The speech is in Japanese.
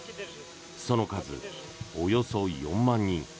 その数、およそ４万人。